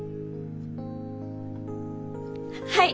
はい。